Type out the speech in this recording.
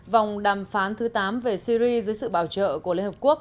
vòng đàm phán thứ tám về syri dưới sự bảo trợ của liên hợp quốc